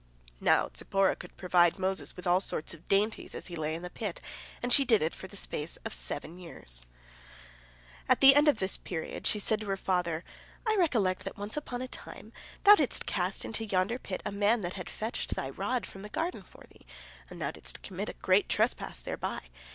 Now Zipporah could provide Moses with all sorts of dainties as he lay in the pit, and she did it for the space of seven years. At the expiration of this period, she said to her father: "I recollect that once upon a time thou didst cast into yonder pit a man that had fetched thy rod from the garden for thee, and thou didst commit a great trespass thereby.